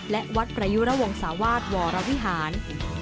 และวัดประยุระวงศาวาสวรวิหาร